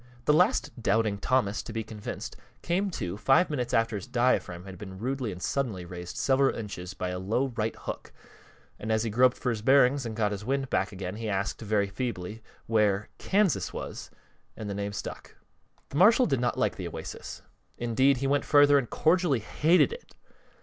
The last doubting Thomas to be convinced came to five minutes after his diaphragm had been rudely and suddenly raised several inches by a low right hook, and as he groped for his bearings and got his wind back again he asked, very feebly, where "Kansas" was; and the name stuck. The marshal did not like the Oasis; indeed, he went further and cordially hated it.